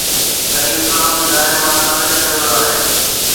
۽ Islam جي دائري مان خارج ڪيو ويو آهي